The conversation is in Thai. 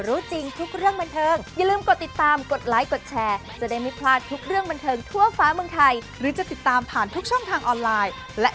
อืมฟังละคนลุกอยู่เหมือนกันนะ